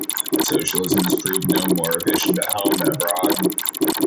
Socialism has proved no more efficient at home than abroad.